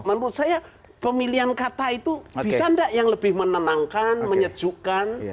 menurut saya pemilihan kata itu bisa tidak yang lebih menenangkan menyejukkan